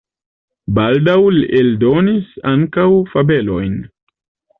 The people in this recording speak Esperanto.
Baldaŭ li eldonis ankaŭ fabelojn.